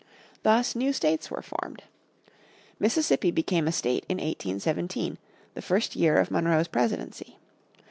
Thus new states were formed. Mississippi became a state in 1817, the first year of Monroe's presidency.